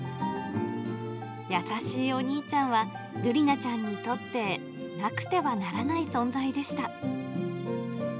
優しいお兄ちゃんはるりなちゃんにとってなくてはならない存在でした。